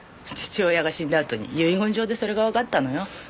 父親が死んだあとに遺言状でそれがわかったのよ。